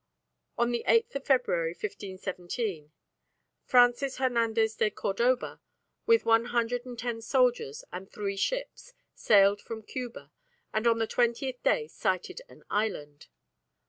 On the 8th February, 1517, Francis Hernandez de Cordoba, with one hundred and ten soldiers and three ships, sailed from Cuba, and on the twentieth day sighted an island.